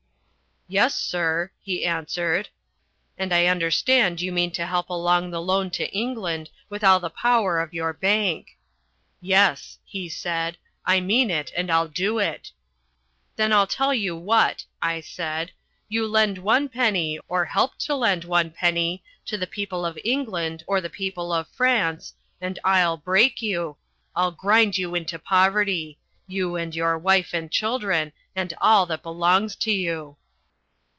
'Yes, sir,' he answered. 'And I understand you mean to help along the loan to England with all the power of your bank.' 'Yes,' he said, 'I mean it and I'll do it.' 'Then I'll tell you what,' I said, 'you lend one penny, or help to lend one penny, to the people of England or the people of France, and I'll break you, I'll grind you into poverty you and your wife and children and all that belongs to you.'"